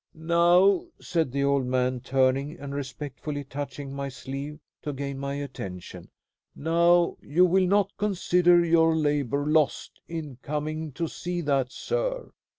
"Now," said the old man, turning and respectfully touching my sleeve to gain my attention, "now you will not consider your labor lost in coming to see that, sir.